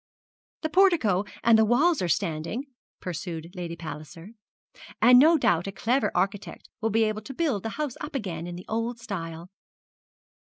'The portico and the walls are standing,' pursued Lady Palliser; 'and no doubt a clever architect will be able to build the house up again in the old style.'